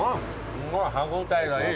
すごい歯応えがいい。